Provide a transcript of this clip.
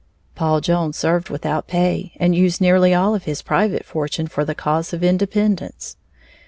Paul Jones served without pay and used nearly all of his private fortune for the cause of independence.